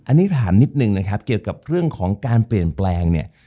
อันนี้ถามนิดนึงนะครับเกี่ยวกับเรื่องของการเปลี่ยนแปลงเนี่ย